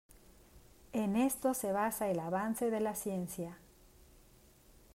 En esto se basa el avance de la ciencia.